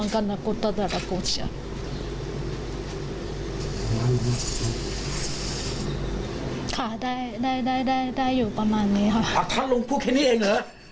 ค่ะได้ได้อยู่ประมาณนี้ครับท่านลงพูดแค่นี้เองเหรอ